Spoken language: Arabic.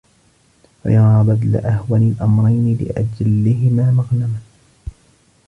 فَيَرَى بَذْلَ أَهْوَنِ الْأَمْرَيْنِ لِأَجَلِّهِمَا مَغْنَمًا